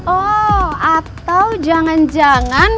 oh atau jangan jangan